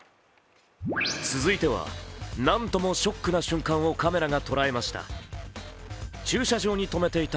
続いては、なんともショックな瞬間をカメラが捉えました。